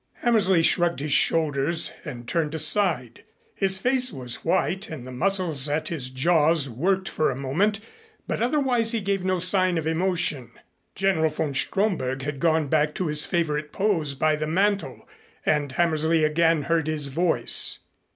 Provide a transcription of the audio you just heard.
Hammersley shrugged his shoulders and turned aside. His face was white and the muscles at his jaws worked for a moment, but otherwise he gave no sign of emotion. General von Stromberg had gone back to his favorite pose by the mantel and Hammersley again heard his voice.